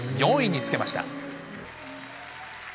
４位につけました。